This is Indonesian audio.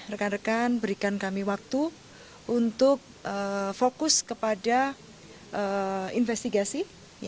rekan rekan berikan kami waktu untuk fokus kepada investigasi